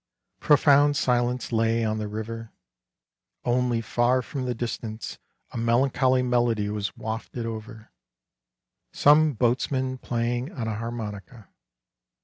Profound silence lay on the river. Only far from the distance a melancholy melody was wafted over ; some boatsman playing on a har monica.